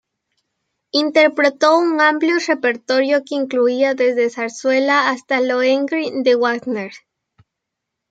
Interpretó un amplio repertorio que incluía desde zarzuela hasta "Lohengrin" de Wagner.